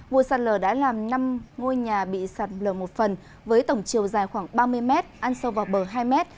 vụ sạt lở đã làm năm ngôi nhà bị sạt lở một phần với tổng chiều dài khoảng ba mươi mét ăn sâu vào bờ hai m